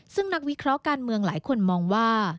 ซึ่งนักวิเคราะห์การเมืองหลายคนมองว่า